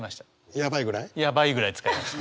ヤバいぐらい使いました。